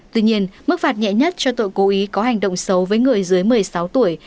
tuy nhiên mức phạt nhẹ nhất cho tội cố ý có hành động xấu với người dưới một mươi sáu tuổi